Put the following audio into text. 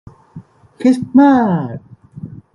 คริสต์มาส